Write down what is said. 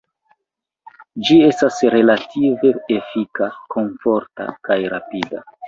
Ĝi estas relative efika, komforta kaj rapida.